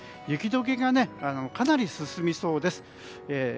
雪解けがかなり進みそうです。